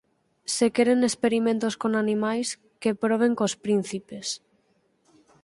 Se queren experimentos con animais, que proben cos príncipes